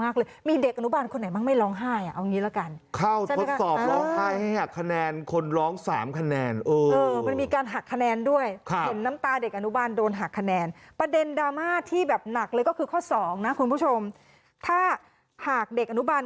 ค้าสองนะคุณผู้ชมถ้าหักเด็กอนุบัน